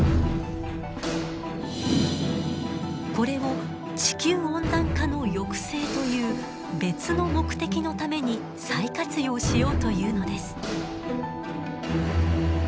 これを地球温暖化の抑制という別の目的のために再活用しようというのです。